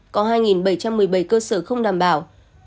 có hai bảy trăm một mươi bảy cơ sở không đảm bảo